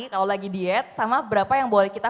kalau lagi diet sama berapa yang boleh kita